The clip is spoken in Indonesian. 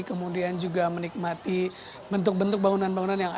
kemudian juga menikmati bentuk bentuk bangunan bangunan yang ada